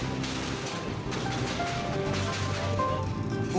お！